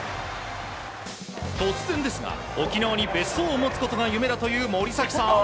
突然ですが、沖縄に別荘を持つことが夢だという森崎さん。